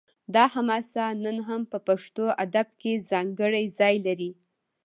دا حماسه نن هم په پښتو ادب کې ځانګړی ځای لري